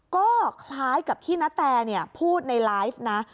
ก็คล้ายกับที่นาแตพูดในไลฟ์นะ